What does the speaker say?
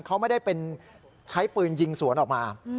เขาไม่ได้เป็นใช้ปืนยิงสวนออกมา